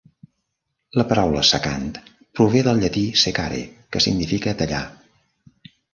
La paraula "secant" prové del llatí "secare", que significa "tallar".